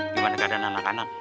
gimana keadaan anak anak